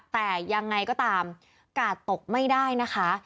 แต่ยังไงก็ตามกาดตกไม่ได้นะคะ